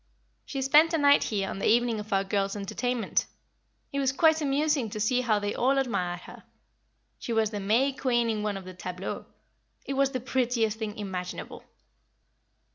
She spent a night here on the evening of our girls' entertainment. It was quite amusing to see how they all admired her. She was the May Queen in one of the tableaux. It was the prettiest thing imaginable."